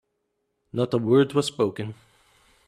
Not a word was spoken.